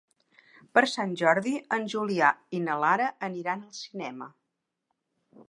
Per Sant Jordi en Julià i na Lara aniran al cinema.